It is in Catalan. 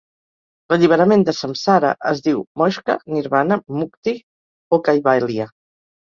L'alliberament de "Samsara" es diu Moksha, Nirvana, Mukti o Kaivalya.